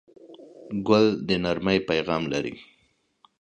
ګل د نرمۍ پیغام لري.